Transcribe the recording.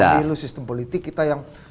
pemilu sistem politik kita yang